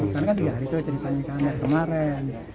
karena kan tiga hari itu ceritanya di kamar kemarin